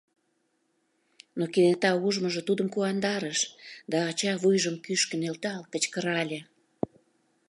Но кенета ужмыжо тудым куандарыш, да ача вуйжым кӱшкӧ нӧлтал кычкырале: